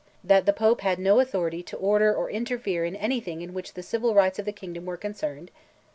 That the Pope had no authority to order or interfere in anything in which the civil rights of the kingdom were concerned.